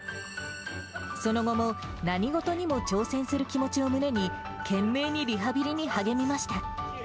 その後も何事にも挑戦する気持ちを胸に、懸命にリハビリに励みました。